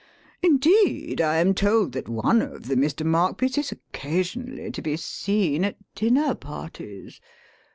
Indeed I am told that one of the Mr. Markby's is occasionally to be seen at dinner parties.